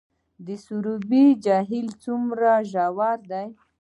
د سروبي جهیل څومره ژور دی؟